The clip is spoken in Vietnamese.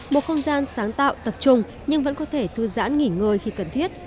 một không gian sáng tạo tập trung nhưng vẫn có thể thư giãn nghỉ ngơi khi cần thiết